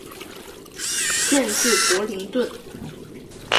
县治伯灵顿。